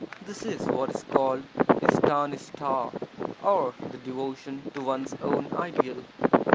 This is what is called Istanista, or the devotion to one's own ideal.